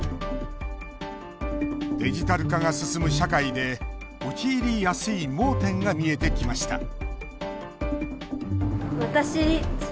デジタル化が進む社会で陥りやすい盲点が見えてきました